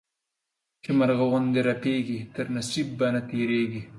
چي مرغه غوندي رپېږي، تر نصيب به نه تيرېږې.